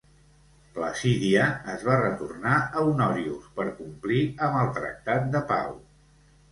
Placidia es va retornar a Honorius per complir amb el tractat de pau.